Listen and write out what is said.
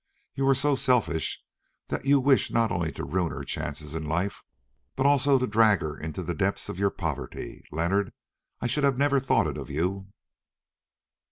You are so selfish that you wish not only to ruin her chances in life, but also to drag her into the depths of your poverty. Leonard, I should never have thought it of you!"